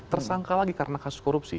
tersangka lagi karena kasus korupsi